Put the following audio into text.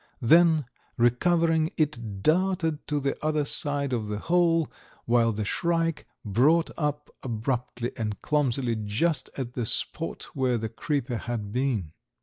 Then, recovering, it darted to the other side of the hole, while the shrike brought up abruptly and clumsily just at the spot where the creeper had been.